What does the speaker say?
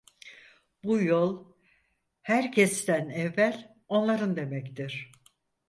Bu yol herkesten evvel onların demektir.